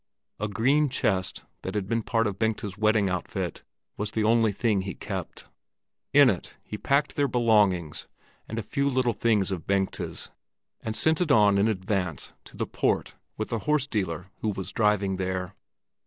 A green chest, that had been part of Bengta's wedding outfit, was the only thing he kept. In it he packed their belongings and a few little things of Bengta's, and sent it on in advance to the port with a horse dealer who was driving there.